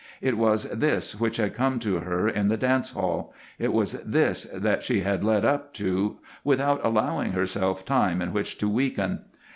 It was this which had come to her in the dance hall; it was this that she had led up to without allowing herself time in which to weaken.